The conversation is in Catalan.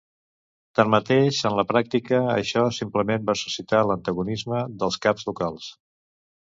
Tanmateix, en la pràctica, això simplement va suscitar l'antagonisme dels caps locals.